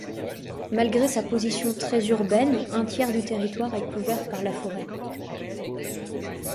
Malgré sa position très urbaine, un tiers du territoire est couvert par la forêt.